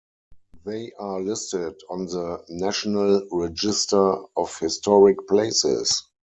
They are listed on the National Register of Historic Places.